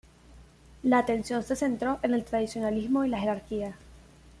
La atención se centró en el tradicionalismo y la jerarquía.